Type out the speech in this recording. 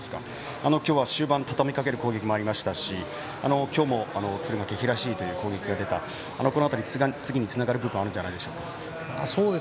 今日は終盤たたみかける攻撃もありましたし今日も敦賀気比らしい攻撃が出たこの辺り次につながる部分があるんじゃないでしょうか？